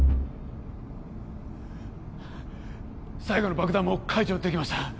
最後の爆弾も解除できました